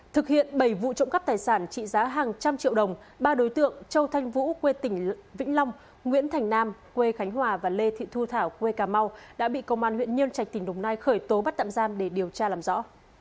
thực hiện bảy vụ trộm cắp tài sản trị giá hàng trăm triệu đồng ba đối tượng châu thanh vũ quê tỉnh vĩnh long nguyễn thành nam quê khánh hòa và lê thị thu thảo quê cà mau đã bị công an huyện nhân trạch tỉnh đồng nai khởi tố bắt tạm giam để điều tra làm rõ